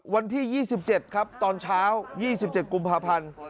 วันที่๒๗ครับตอนเช้า๒๗กุมภาพันธ์